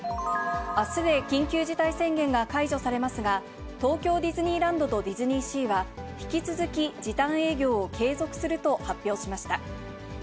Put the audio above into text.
あすで緊急事態宣言が解除されますが、東京ディズニーランドとディズニーシーは、引き続き時短営業を継続すると発表しました。